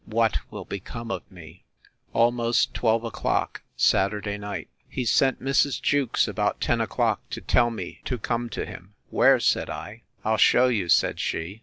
—What will become of me! Almost twelve o'clock, Saturday night. He sent Mrs. Jewkes, about ten o'clock, to tell me to come to him. Where? said I. I'll shew you, said she.